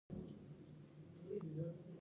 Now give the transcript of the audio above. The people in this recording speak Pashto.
دا حالت عاطفي اسارت دی.